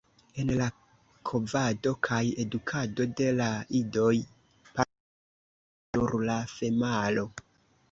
En la kovado kaj edukado de la idoj partoprenas nur la femalo.